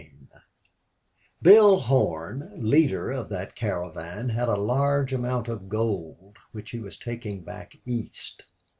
3 Bill Horn, leader of that caravan, had a large amount of gold which he was taking back East.